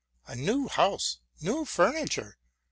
A new house, new furniture!